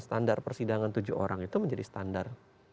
standar persidangan tujuh orang itu menjadi standar